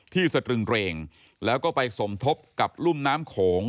สตรึงเกรงแล้วก็ไปสมทบกับรุ่มน้ำโขง